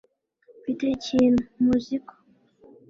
mfite ikintu mu ziko